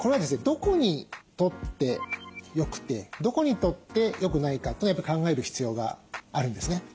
どこにとって良くてどこにとって良くないかというのをやっぱり考える必要があるんですね。